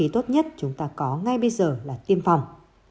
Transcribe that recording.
tốt nhất chúng ta có ngay bây giờ là tiêm phòng